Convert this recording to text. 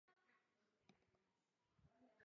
而这季光芒队的先发轮值表现相当抢眼。